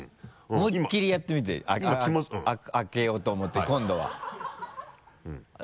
思いっきりやってみて開けようと思って今度は。で開かない？